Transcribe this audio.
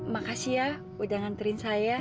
makasih ya udah nganterin saya